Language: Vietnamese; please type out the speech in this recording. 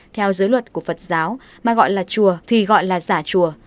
theo giới luật của phật giáo mà gọi là chùa thì gọi là giả chùa